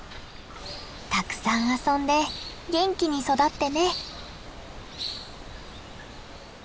たくさん遊んで元気に育ってね。